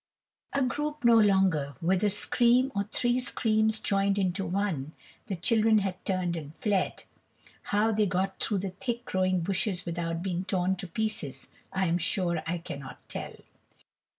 A group no longer with a scream, or three screams joined into one, the children had turned and fled. How they got through the thick growing bushes without being torn to pieces I am sure I cannot tell.